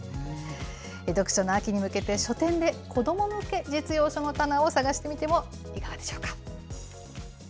読書の秋に向けて、書店で子ども向け実用書の棚を探してみてもいかがでしょうか。